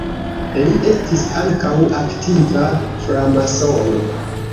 Li estis ankaŭ aktiva framasono.